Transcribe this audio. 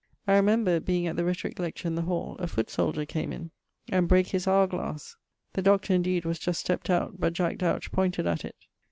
I remember, being at the Rhetorique lecture in the hall, a foot soldier came in and brake his hower glasse. The Dr. indeed was just stept out, but Jack Dowch[L] pointed at it.